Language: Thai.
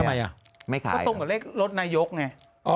ก็ตรงกับเลขรถนายกไง